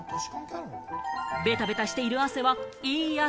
ベタベタしている汗はいい汗？